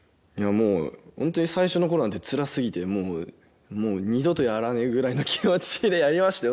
もうホントに最初の頃なんてつらすぎてもうもう二度とやらねえぐらいの気持ちでやりましたよ